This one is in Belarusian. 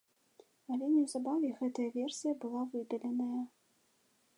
Але неўзабаве гэтая версія была выдаленая.